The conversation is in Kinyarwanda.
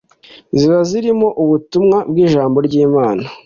ziba zirimo ubutumwa bw’ijambo ry’Imana